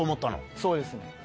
そうですね。